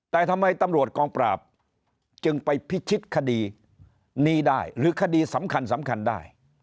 แต่ทำไมตำรวจกองปราบจึงไปพิชิตคดีนี้ได้หรือคดีสำคัญสำคัญได้